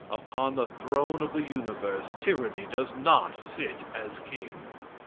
Upon the throne of the universe tyranny does not sit as a king.